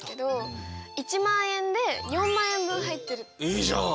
いいじゃん！